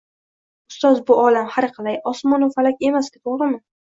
— Ustoz bu olam… har qalay, Osmonu Falak emas-ku, to‘g‘rimi?